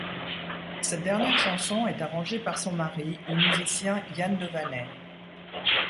Cette dernière chanson est arrangée par son mari, le musicien Ian Devaney.